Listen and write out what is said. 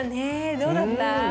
どうだった？